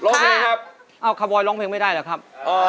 ร้องเพลงครับเอาคาร์บอยร้องเพลงไม่ได้เหรอครับ